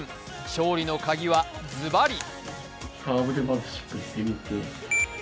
勝利のカギはズバリ！！